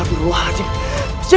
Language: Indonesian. hidup ya minta